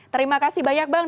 terima kasih banyak bang